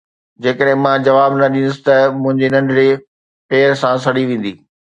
جيڪڏهن مان جواب نه ڏيندس ته منهنجي ننڍڙي پير سان سڙي ويندي.